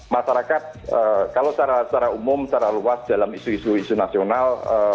masyarakat kalau secara umum secara luas dalam isu isu nasional